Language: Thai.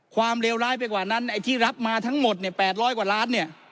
ความเลวร้ายไปกว่านั้นที่รับมาทั้งหมด๘๐๐กว่าล้าน